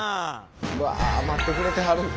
うわ待ってくれてはる。